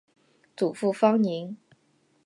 祖父方宁。